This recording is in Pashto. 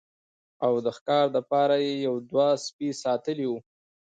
او د ښکار د پاره يې يو دوه سپي ساتلي وو